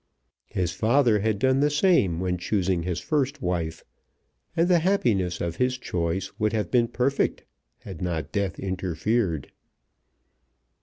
His father had done the same when choosing his first wife, and the happiness of his choice would have been perfect had not death interfered.